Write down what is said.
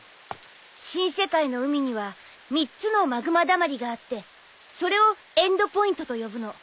新世界の海には３つのマグマだまりがあってそれをエンドポイントと呼ぶの。